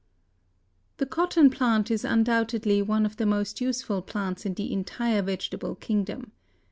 The cotton plant is undoubtedly one of the most useful plants in the entire vegetable kingdom.